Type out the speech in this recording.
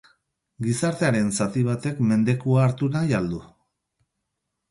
Gizartearen zati batek mendekua hartu nahi al du?